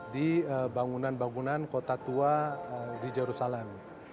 di bangunan bangunan kota tua di jerusalem